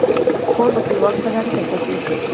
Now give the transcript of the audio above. خور د خپلوانو سره اړیکې ساتي.